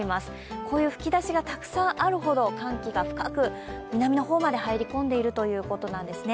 こういう吹き出しがたくさんあるほど寒気が深く南の方まで入り込んでいるということなんですね。